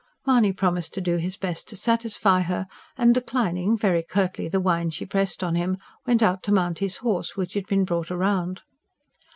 Mahony promised to do his best to satisfy her, and declining, very curtly, the wine she pressed on him, went out to mount his horse which had been brought round.